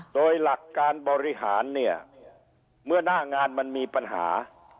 โดยหลักการบริหารเนี่ยเมื่อหน้างานมันมีปัญหา